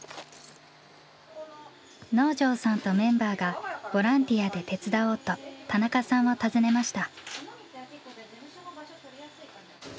能條さんとメンバーがボランティアで手伝おうと田中さんを訪ねました。